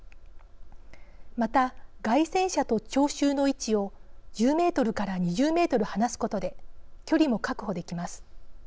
また、街宣車と聴衆の位置を１０ｍ２０ｍ離すことで距離も確保できます。